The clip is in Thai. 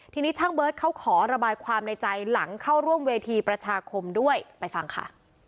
ทีนี้ช่างเบิร์ตเขาขอระบายความในใจหลังเข้าร่วมเวทีประชาคมด้วยไปฟังค่ะ